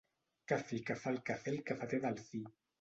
Que fi que fa el cafè el cafeter Delfí.